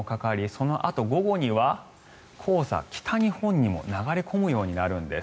そのあと、午後には黄砂は北日本にも流れ込むようになるんです。